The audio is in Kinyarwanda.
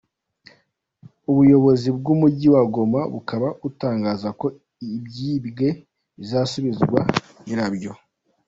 Ubuyobozi bw’Umujyi wa Goma bukaba butangaza ko ibyibwe bizasubizwa nyirabyo.